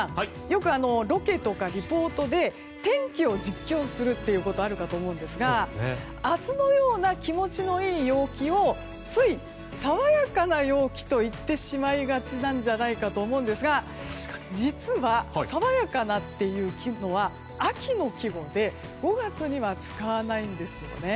よく、ロケとかリポートで天気を実況することあるかと思うんですが明日のような気持ちのいい陽気をつい、爽やかな陽気と言ってしまいがちなんじゃないかと思うんですが実は、爽やかなっていうのは秋の季語で５月には使わないんですよね。